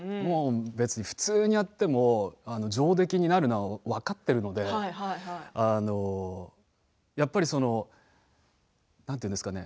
別に普通にやっても上出来になるのは分かっているのでなんて言うんですかね